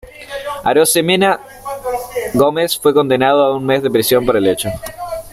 Arosemena Gómez fue condenado a un mes de prisión por el hecho.